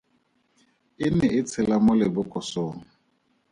E ne e tshela mo lebokosong.